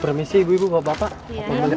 permisi ibu ibu bapak assalamualaikum